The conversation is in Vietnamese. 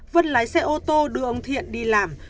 vứt lái xe ô tô đưa ông thiện đi làm